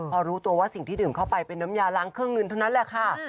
พอรู้ตัวว่าสิ่งที่ดื่มเข้าไปเป็นน้ำยาล้างเครื่องเงินเท่านั้นแหละค่ะ